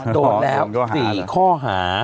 โดนแล้ว๔ข้อหา